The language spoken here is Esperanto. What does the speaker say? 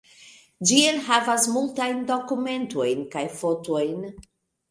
Ĝi enhavas multajn dokumentojn kaj fotojn.